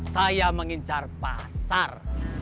saya mengincar pasar